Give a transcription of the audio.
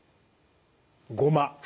ごま。